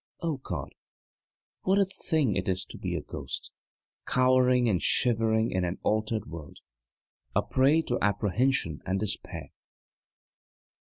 O God! what a thing it is to be a ghost, cowering and shivering in an altered world, a prey to apprehension and despair!